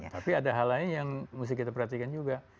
tapi ada hal lain yang mesti kita perhatikan juga